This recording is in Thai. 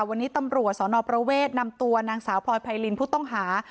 วันนี้ตำรวจสนประเวทนำตัวนางสาวพลอยไพรินผู้ต้องหา